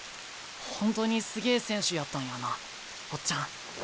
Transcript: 本当にすげえ選手やったんやなオッチャン。